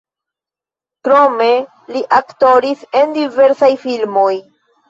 Krome li aktoris en diversaj filmoj.